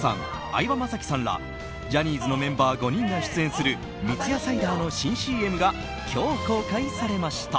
相葉雅紀さんらジャニーズのメンバー５人が出演する三ツ矢サイダーの新ＣＭが今日公開されました。